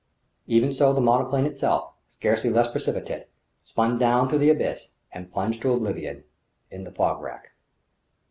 Even so the monoplane itself, scarcely less precipitate, spun down through the abyss and plunged to oblivion in the fog rack....